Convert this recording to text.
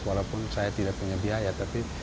walaupun saya tidak punya biaya tapi